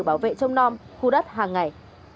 bảo vệ trong non khu đất hàng ngày